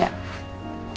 kamu di sini aja